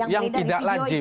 yang tidak lajim